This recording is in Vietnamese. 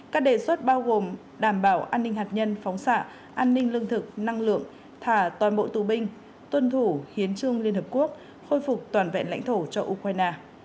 các đề xuất bao gồm đảm bảo an ninh hạt nhân phóng xạ an ninh lương thực năng lượng thả toàn bộ tù binh tuân thủ hiến trương liên hợp quốc khôi phục toàn vẹn lãnh thổ cho ukraine